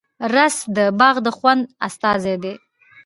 رس د باغ د خوند استازی دی